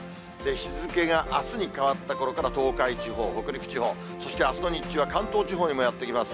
日付があすに変わったころから、東海地方、北陸地方、そしてあすの日中は関東地方にもやって来ます。